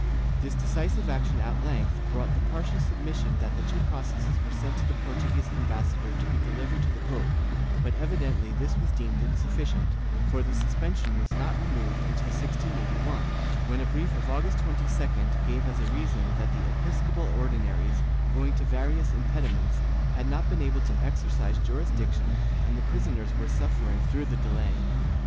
This decisive action at length brought the partial submission that two processes were sent to the Portuguese ambassador to be delivered to the pope, but evidently this was deemed insufficient, for the suspension was not removed until 1681, when a brief of August 2^d gave as a reason that the episcopal Ordinaries, owing to various impediments, had not been able to exercise jurisdiction and the prisoners were suffering through the delay.